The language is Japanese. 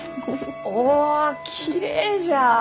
おおきれいじゃ！